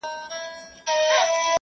• طبیب وکتل چي ښځه نابینا ده -